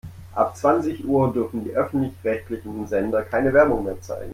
Ab zwanzig Uhr dürfen die öffentlich-rechtlichen Sender keine Werbung mehr zeigen.